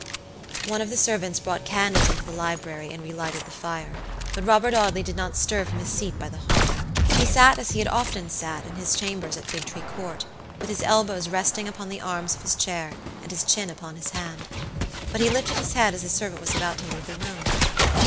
One of the servants brought candles into the library and relighted the fire, but Robert Audley did not stir from his seat by the hearth. He sat as he had often sat in his chambers in Figtree Court, with his elbows resting upon the arms of his chair, and his chin upon his hand. But he lifted his head as the servant was about to leave the room.